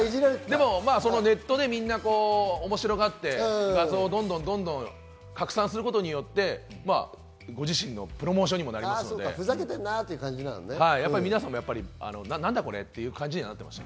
ネットでみんな面白がって、画像をどんどん拡散することで、ご自身のプロモーションにもなりますので、皆さんも何だこれという感じにはなってました。